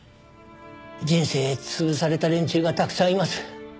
人生潰された連中がたくさんいます。